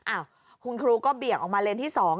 อ้าวคุณครูก็เบี่ยงออกมาเลนที่๒